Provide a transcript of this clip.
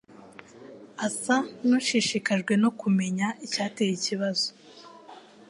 asa nushishikajwe no kumenya icyateye ikibazo